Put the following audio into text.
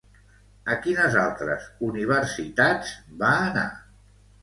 A quines altres universitats va anar?